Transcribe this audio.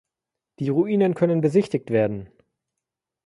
Die Ruinen können besichtigt werden.